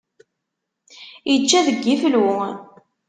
Ičča deg iflu.